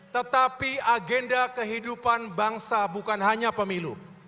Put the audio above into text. tetapi agenda kehidupan bangsa bukan hanya pemilu